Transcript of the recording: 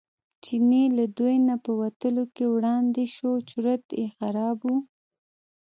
چینی له دوی نه په وتلو کې وړاندې شو چورت یې خراب و.